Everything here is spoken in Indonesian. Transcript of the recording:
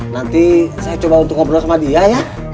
nanti saya coba untuk ngobrol sama dia ya